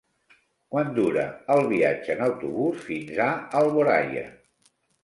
Quant dura el viatge en autobús fins a Alboraia?